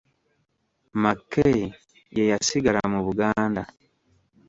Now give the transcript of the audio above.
Mackay ye yasigala mu Buganda.